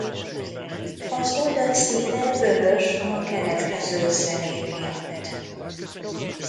Az oldat színe vörös a keletkező szelén miatt.